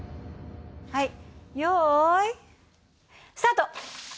はい用意スタート！